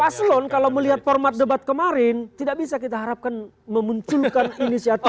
paslon kalau melihat format debat kemarin tidak bisa kita harapkan memunculkan inisiatif